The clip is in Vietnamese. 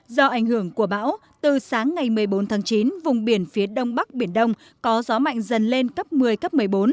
do ảnh hưởng của bão từ sáng ngày một mươi bốn tháng chín vùng biển phía đông bắc biển đông có gió mạnh dần lên cấp một mươi cấp một mươi bốn